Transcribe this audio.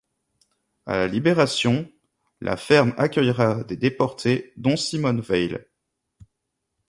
À la Libération, la ferme accueillera des déportés, dont Simone Veil.